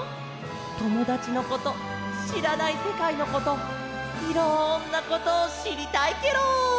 ともだちのことしらないせかいのこといろんなことをしりたいケロ！